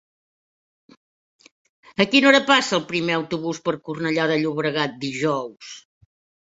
A quina hora passa el primer autobús per Cornellà de Llobregat dijous?